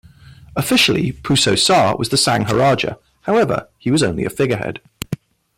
Officially Pusso Saa was the sangharaja; however, he was only a figurehead.